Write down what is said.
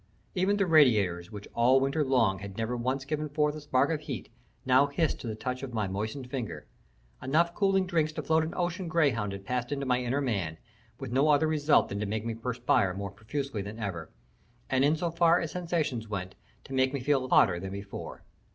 Even the radiators, which all winter long had never once given forth a spark of heat, now hissed to the touch of my moistened finger. Enough cooling drinks to float an ocean greyhound had passed into my inner man, with no other result than to make me perspire more profusely than ever, and in so far as sensations went, to make me feel hotter than before.